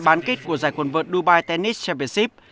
bán kết của giải quần vợt dubai tennis championship